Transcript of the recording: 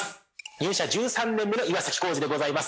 入社１３年目の岩弘志でございます